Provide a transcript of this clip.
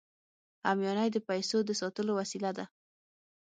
همیانۍ د پیسو د ساتلو وسیله ده